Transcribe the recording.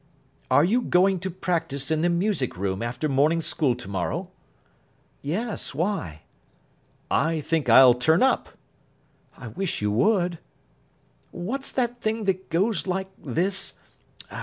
"Are you going to practise in the music room after morning school tomorrow?" "Yes. Why?" "I think I'll turn up." "I wish you would." "What's that thing that goes like this?